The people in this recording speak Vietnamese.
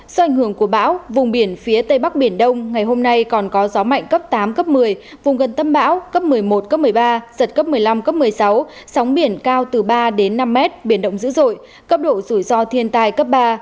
do ảnh hưởng của bão vùng biển phía tây bắc biển đông ngày hôm nay còn có gió mạnh cấp tám cấp một mươi vùng gần tâm bão cấp một mươi một cấp một mươi ba giật cấp một mươi năm cấp một mươi sáu sóng biển cao từ ba đến năm mét biển động dữ dội cấp độ rủi ro thiên tai cấp ba